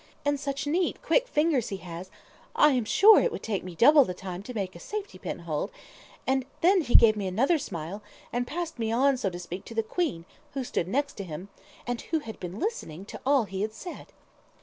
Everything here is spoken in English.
And such neat, quick fingers he has: I am sure it would take me double the time to make a safety pin hold, and then he gave me another smile, and passed me on, so to speak, to the Queen, who stood next him, and who had been listening to all he had said."